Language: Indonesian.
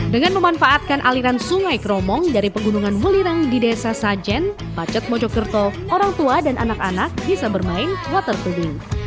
dengan memanfaatkan aliran sungai keromong dari pegunungan welirang di desa sajen pacet mojokerto orang tua dan anak anak bisa bermain water tubing